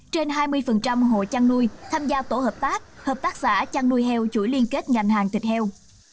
trên hai mươi hộ chăn nuôi tham gia tổ hợp tác hợp tác xã chăn nuôi heo chuỗi liên kết ngành hàng thịt heo